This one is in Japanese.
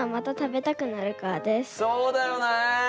そうだよね！